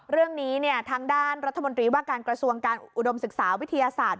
เรื่องนี้ทางด้านรัฐมนตรีว่าการกระทรวงการอุดมศึกษาวิทยาศาสตร์